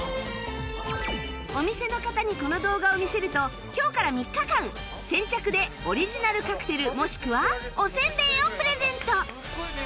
お店の方にこの動画を見せると今日から３日間先着でオリジナルカクテルもしくはおせんべいをプレゼント